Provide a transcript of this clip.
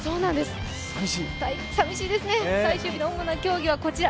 寂しいですね、主な競技はこちら。